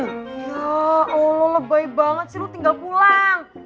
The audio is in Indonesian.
ya allah lebay banget sih lu tinggal pulang